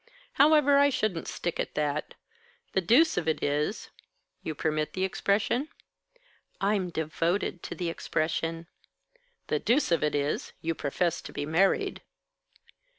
"However, I shouldn't stick at that. The deuce of it is You permit the expression?" "I'm devoted to the expression." "The deuce of it is, you profess to be married."